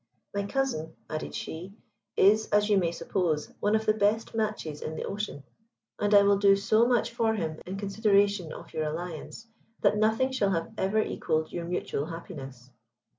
My cousin," added she, "is, as you may suppose, one of the best matches in the ocean, and I will do so much for him in consideration of your alliance that nothing shall have ever equalled your mutual happiness."